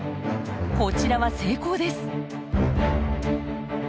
こちらは成功です！